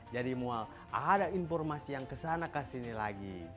mual ada informasi yang kesana kesini lagi